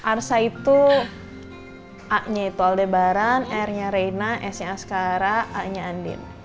arsa itu a nya itu aldebaran r nya reina snya askara a nya andin